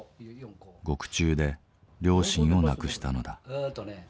獄中で両親を亡くしたのだ。